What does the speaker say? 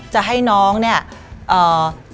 จะให้น้องเนี่ย